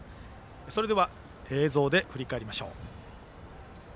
それでは、映像で振り返ります。